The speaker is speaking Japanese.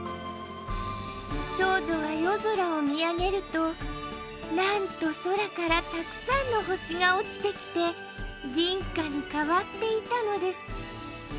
少女は夜空を見上げるとなんと空からたくさんの星が落ちてきて銀貨に変わっていたのです。